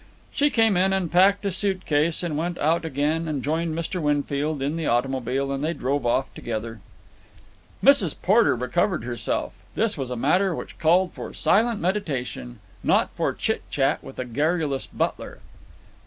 "She came in and packed a suit case and went out again and joined Mr. Winfield in the automobile, and they drove off together." Mrs. Porter recovered herself. This was a matter which called for silent meditation, not for chit chat with a garrulous butler.